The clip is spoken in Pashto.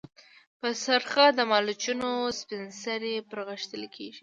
په سرخه د مالوچو نه سپڼسي پرغښتلي كېږي۔